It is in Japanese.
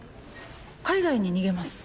海外に逃げます。